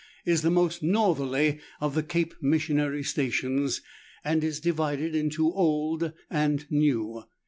45 is the most northerly of the Cape Missionary stations, and is divided into Old and New.